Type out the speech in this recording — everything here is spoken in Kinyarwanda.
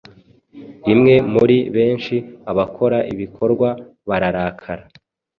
Imwe muri benshi abakora ibikorwa bararakara